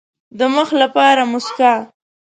د مخ لپاره موسکا.